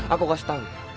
aku kasih tau